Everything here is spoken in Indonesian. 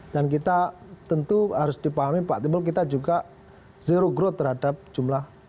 dan kita tentu harus dipahami pak timbul kita juga zero growth terhadap jumlah